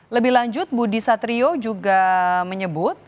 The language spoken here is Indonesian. lebih lanjut budi satrio juga menyebut